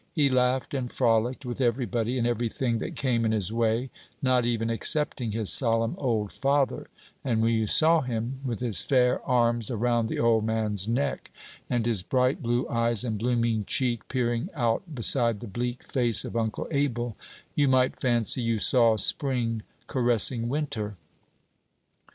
He laughed and frolicked with every body and every thing that came in his way, not even excepting his solemn old father; and when you saw him, with his fair arms around the old man's neck, and his bright blue eyes and blooming cheek peering out beside the bleak face of Uncle Abel, you might fancy you saw spring caressing winter.